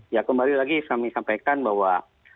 ya kembali lagi kami sampaikan bahwa